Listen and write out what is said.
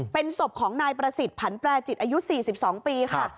เป็นศพของนายประสิทธิ์ผันแปรจิตอายุ๔๒ปีค่ะ